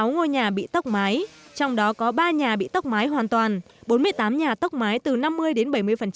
sáu ngôi nhà bị tốc mái trong đó có ba nhà bị tốc mái hoàn toàn bốn mươi tám nhà tốc mái từ năm mươi đến bảy mươi